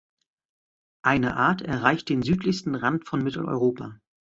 Eine Art erreicht den südlichsten Rand von Mitteleuropa.